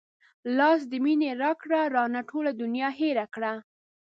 لاس د مينې راکړه رانه ټوله دنيا هېره کړه